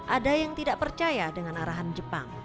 ada yang tidak percaya dengan arahan jepang